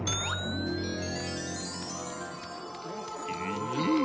うん？